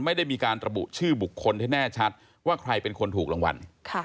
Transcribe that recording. ไม่ได้มีการระบุชื่อบุคคลให้แน่ชัดว่าใครเป็นคนถูกรางวัล